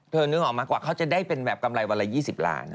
นึกออกมากว่าเขาจะได้เป็นแบบกำไรวันละ๒๐ล้าน